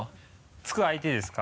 突く相手ですか？